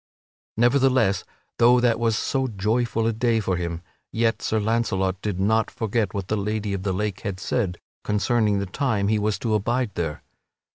Nevertheless, though that was so joyful a day for him, yet Sir Launcelot did not forget what the Lady of the Lake had said concerning the time he was to abide there!